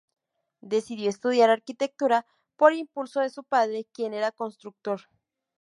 Decidió estudiar arquitectura por impulso de su padre, quien era constructor.